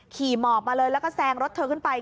หมอบมาเลยแล้วก็แซงรถเธอขึ้นไป